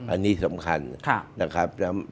อันนี้สำคัญนะครับ